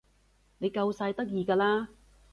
你夠晒得意㗎啦